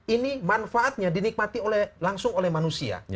ini manfaatnya dinikmati langsung oleh manusia